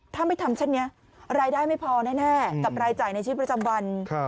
ถ้าไม่ทำเช่นนี้รายได้ไม่พอแน่กับรายจ่ายในชีวิตประจำวัน